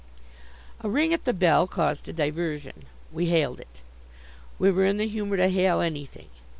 A ring at the bell caused a diversion. We hailed it. We were in the humor to hail anything.